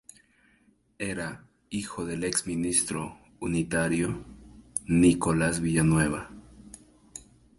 Era hijo del ex ministro unitario Nicolás Villanueva.